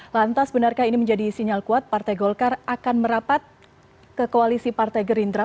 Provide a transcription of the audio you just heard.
lantas benarkah ini menjadi sinyal kuat partai golkar akan merapat ke koalisi partai gerindra